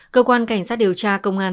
cơ quan cảnh sát điều tra công an